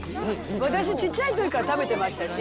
私小っちゃい時から食べてましたし。